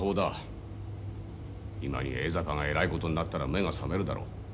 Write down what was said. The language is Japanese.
今に江坂がえらいことになったら目が覚めるだろう。